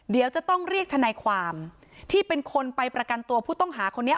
เดี๋ยวจะต้องเรียกทนายความที่เป็นคนไปประกันตัวผู้ต้องหาคนนี้